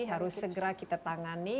harus segera kita tangani